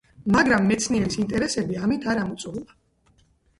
მაგრამ მეცნიერის ინტერესები ამით არ ამოწურულა.